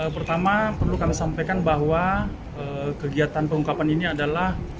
pertama perlu kami sampaikan bahwa kegiatan pengungkapan ini adalah